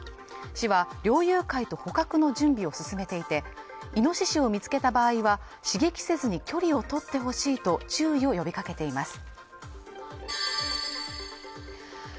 市は猟友会と捕獲の準備を進めていてイノシシを見つけた場合は刺激せずに距離を取ってほしいと注意を呼びかけています